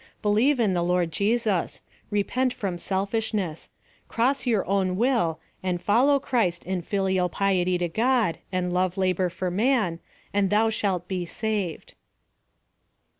Believe in the Lord Jesus — repent from selfishness — cross your own will, and follow Christ in filial piety to God aud love labor for man, and thou shalt be saved.